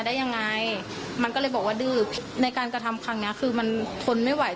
ได้ยังไงมันก็เลยบอกว่าดื้อในการกระทำครั้งเนี้ยคือมันทนไม่ไหว